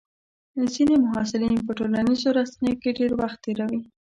ځینې محصلین په ټولنیزو رسنیو کې ډېر وخت تېروي.